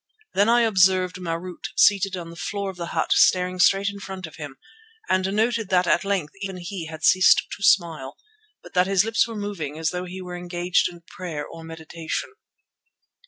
Then I observed Marût seated on the floor of the hut staring straight in front of him, and noted that at length even he had ceased to smile, but that his lips were moving as though he were engaged in prayer or meditation.